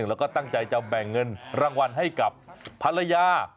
แล้วก็ตั้งใจจะแบ่งเงินรางวัลให้กับภรรยา